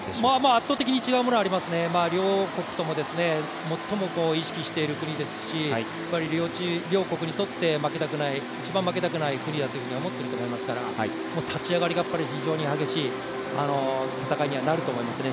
圧倒的に違うものがありますね、両国とも最も意識している国ですし、両国にとって一番負けたくない国だと思っていると思いますから、立ち上がりがやっぱり非常に激しい戦いにはなると思いますね。